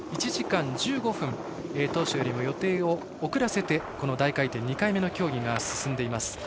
１時間１５分当初よりも予定を遅らせて大回転２回目の競技が進んでます。